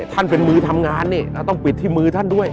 เป็นมือทำงานนี่เราต้องปิดที่มือท่านด้วย